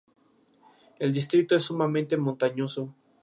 Su sello oficial mostraba a un rey luchando contra un animal salvaje.